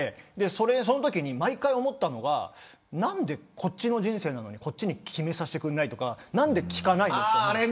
そのとき毎回思ったのが何で、こっちの人生なのにこっちに決めさせてくれないとか何で聞かないのとか。